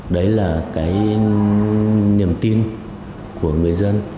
đấy là cái niềm tin của người dân